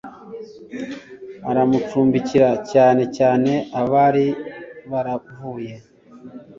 arabacumbikira cyane cyane abari baravuye